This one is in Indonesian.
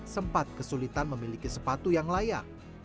sempat kesulitan memiliki sepatu yang layak